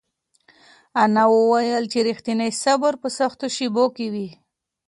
انا وویل چې رښتینی صبر په سختو شېبو کې وي.